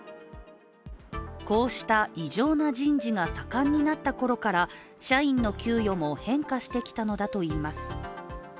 こうした異常な人事が盛んになったころから社員の給与も変化してきたのだといいます。